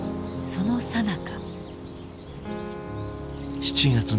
そのさなか。